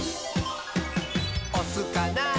「おすかな？